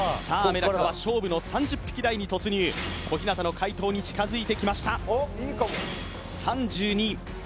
メダカは勝負の３０匹台に突入小日向の解答に近づいてきました３２！